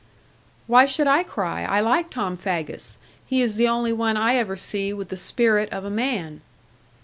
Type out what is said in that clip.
'Why should I cry? I like Tom Faggus. He is the only one I ever see with the spirit of a man.'